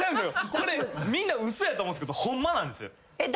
これみんな嘘やと思うんすけどホンマなんですよ。